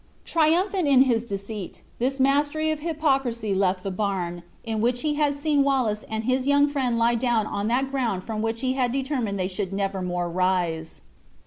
Triumphant in his deceit, this master of hypocrisy left the barn, in which he had seen Wallace and his young friend lie down on that ground from which he had determined they should never more rise.